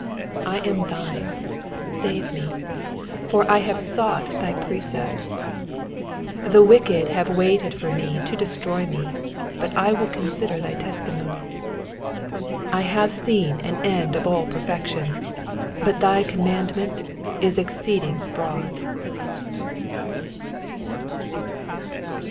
94 I am thine, save me ; for I have sought thy precepts. 95 The wicked have waited for me to destroy me : but I will consider thy testimonies. 96 I have seen an end of all perfection : but thy command ment is exceeding broad.